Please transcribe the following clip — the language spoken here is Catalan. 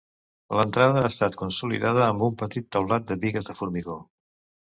L’entrada ha estat consolidada amb un petit teulat de bigues de formigó.